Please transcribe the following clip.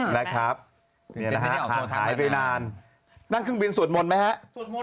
หายไปนานนั่งเครื่องบินสวดมนต์ไหมฮะ